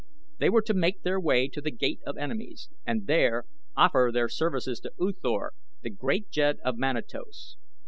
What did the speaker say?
They were to make their way to The Gate of Enemies and there offer their services to U Thor, the great Jed of Manatos.